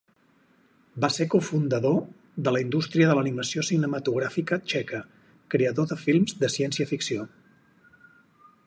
Va ser cofundador de la indústria de l'animació cinematogràfica txeca, creador de films de ciència-ficció.